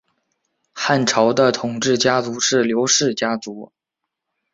汉朝的统治家族是刘氏家族。